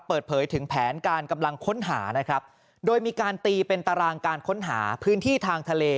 เปิดเผยถึงแผนการกำลังค้นหานะครับโดยมีการตีเป็นตารางการค้นหาพื้นที่ทางทะเล